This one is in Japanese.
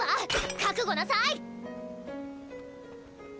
覚悟なさい！